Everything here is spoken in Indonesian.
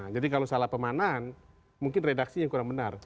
jadi kalau salah pemanaan mungkin redaksinya kurang benar